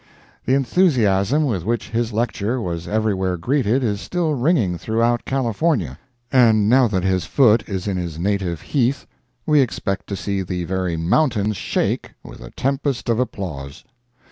The enthusiasm with which his lecture was everywhere greeted is still ringing throughout California, and now that his foot is in his native heath, we expect to see the very mountains shake with a tempest of applause.